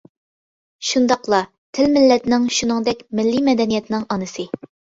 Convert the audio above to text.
شۇنداقلا، تىل مىللەتنىڭ شۇنىڭدەك مىللىي مەدەنىيەتنىڭ ئانىسى.